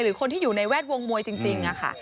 หรือคนที่อยู่ในแวดวงมวยจริงค่ะ